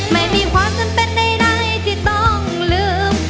ไม่มีความจำเป็นใดที่ต้องลืม